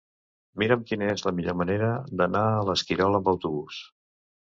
Mira'm quina és la millor manera d'anar a l'Esquirol amb autobús.